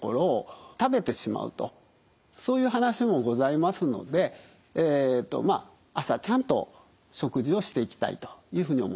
そういう話もございますのでえっとまあ朝ちゃんと食事をしていきたいというふうに思います。